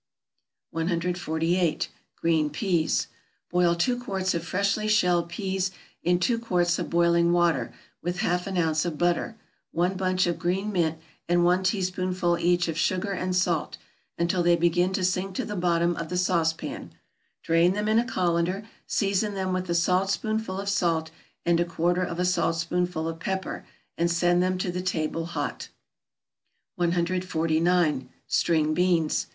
148. =Green Peas.= Boil two quarts of freshly shelled peas in two quarts of boiling water with half an ounce of butter, one bunch of green mint, and one teaspoonful each of sugar and salt, until they begin to sink to the bottom of the sauce pan: drain them in a colander, season them with a saltspoonful of salt, and a quarter of a saltspoonful of pepper, and send them to the table hot. 149. =String Beans.